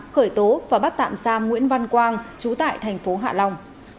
khởi tố và bắt tạm xa nguyễn văn quang trú tại tp hcm